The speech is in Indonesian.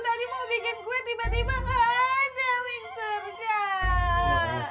tadi mau bikin gue tiba tiba gak ada mixer gak